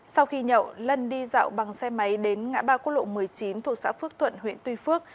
sau khi nhậu lân đi dạo bằng xe máy đến ngã ba quốc lộ một mươi chín thuộc xã phước thuận huyện tuy phước